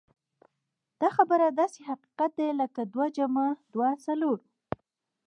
دا خبره داسې حقيقت دی لکه دوه جمع دوه څلور.